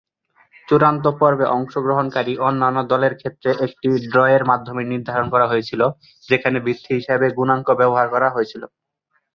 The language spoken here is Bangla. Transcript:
চূড়ান্ত পর্বে অংশগ্রহণকারী অন্যান্য দলের ক্ষেত্রে একটি ড্রয়ের মাধ্যমে নির্ধারণ করা হয়েছিল, যেখানে ভিত্তি হিসেবে গুণাঙ্ক ব্যবহার করা হয়েছিল।